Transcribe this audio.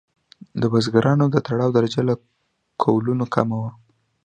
د بزګرانو د تړاو درجه له کولونو کمه وه.